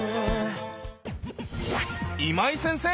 今井先生！